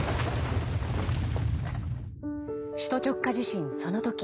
首都直下地震その時。